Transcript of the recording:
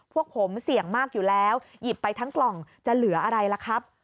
พวกผมเสี่ยงมากอยู่แล้วหยิบไปทั้งกล่องจะเหลืออะไรล่ะครับ